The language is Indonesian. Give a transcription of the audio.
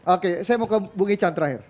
oke saya mau ke bung ican terakhir